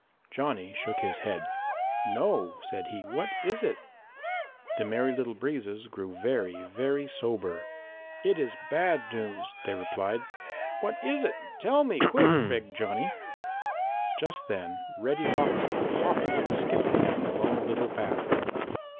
Johnny shook his head. "No," said he. "What is it?" The Merry Little Breezes grew very, very sober. "It is bad news," they replied. "What is it? Tell me quick!" begged Johnny. Just then Reddy Fox came hopping and skipping down the Lone Little Path.